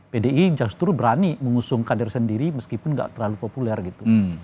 pdi justru berani mengusung kader sendiri meskipun nggak terlalu populer gitu